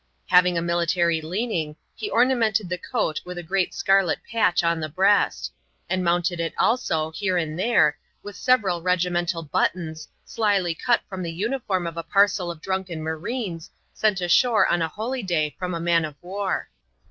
Having a military leaning, he ornamented the coart with a great scarlet patch on the breast ; and mounted it also, here and there, with several regimental buttons, slyly cut from the uniform of a parcel of drunken marines, sent ashore on a holyday from a man of war.